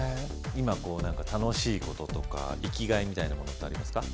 今楽しいこととか生きがいみたいなものってありますか？